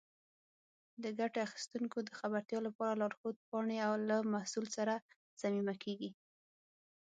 د ګټه اخیستونکو د خبرتیا لپاره لارښود پاڼې له محصول سره ضمیمه کېږي.